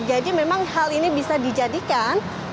jadi memang hal ini bisa dijadikan